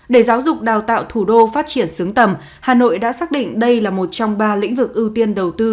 để giáo dục đào tạo thủ đô phát triển xứng tầm hà nội đã xác định đây là một trong ba lĩnh vực ưu tiên đầu tư